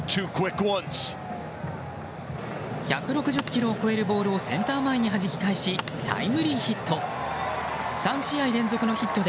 １６０キロを超えるボールをセンター前にはじき返しタイムリーヒット。